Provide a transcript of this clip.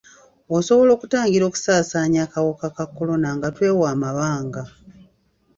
Osobola okutangira okusasaanya akawuka ka kolona nga twewa amabanga.